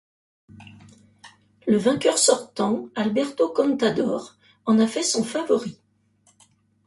Le vainqueur sortant Alberto Contador en a fait son favori.